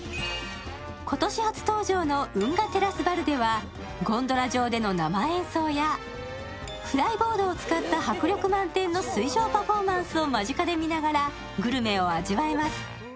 今年初登場の運河テラスバルではゴンドラ上での生演奏やフライボードを使った迫力満点の水上パフォーマンスを間近で見ながらグルメを味わえます。